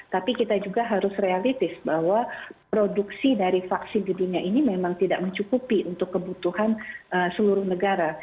tapi kita juga harus realitis bahwa produksi dari vaksin di dunia ini memang tidak mencukupi untuk kebutuhan seluruh negara